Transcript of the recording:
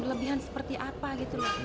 berlebihan seperti apa gitu loh